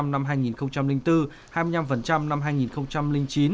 năm hai nghìn bốn hai mươi năm năm hai nghìn chín